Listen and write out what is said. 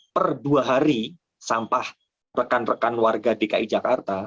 per dua hari sampah rekan rekan warga dki jakarta